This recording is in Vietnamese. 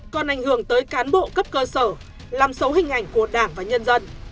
còn ảnh hưởng tới cán bộ cấp cơ sở làm xấu hình ảnh của đảng và nhân dân